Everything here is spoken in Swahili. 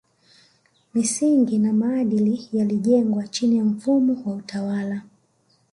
Misingi ya maadili yalijengwa chini ya mfumo wa utawala